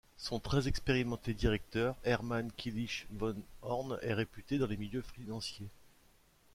Son très expérimenté directeur, Hermann Killisch von Horn est réputé dans les milieux financiers.